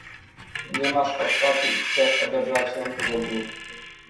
"Nie masz odwagi i chcesz odebrać ją drugim."